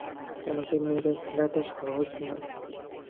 আমাকে মেরে ফেলা এত সহজ না।